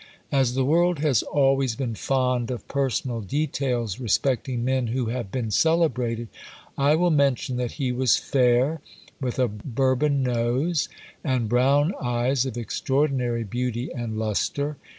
As the world has always been fond of personal details respecting men who have been celebrated, I will mention that he was fair, with a Bourbon nose, and brown eyes of extraordinary beauty and lustre.